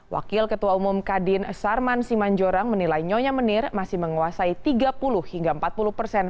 wakil ketua umum kadin sarman simanjorang menilai nyonya menir masih menguasai tiga puluh hingga empat puluh persen